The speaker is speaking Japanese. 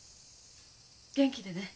元気でね。